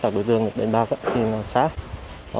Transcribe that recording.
các đối tượng đánh bạc thì nó sát